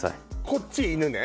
こっち犬ね。